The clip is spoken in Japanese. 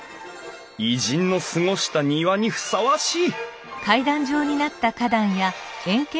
偉人の過ごした庭にふさわしい！